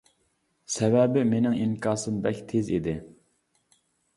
سەۋەبى، مىنىڭ ئىنكاسىم بەك تىز ئىدى.